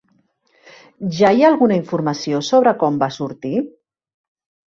Ja hi ha alguna informació sobre com va sortir?